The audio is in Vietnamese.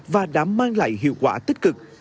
và đã mang lại hiệu quả tích cực